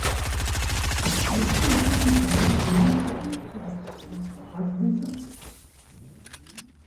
Il fut la capitale de l'ancienne juridiction Trasdeza.